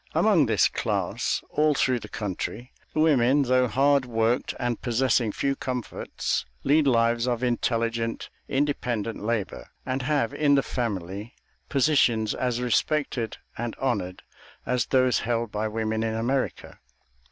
Among this class, all through the country, the women, though hard worked and possessing few comforts, lead lives of intelligent, independent labor, and have in the family positions as respected and honored as those held by women in America.